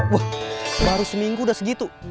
wah baru seminggu udah segitu